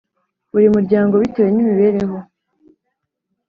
buri muryango, bitewe n’imibereho